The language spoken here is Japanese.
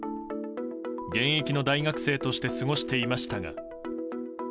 現役の大学生として過ごしていましたが。